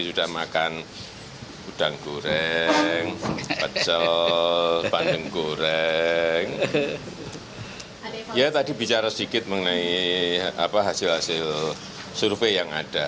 ya tadi bicara sedikit mengenai hasil hasil survei yang ada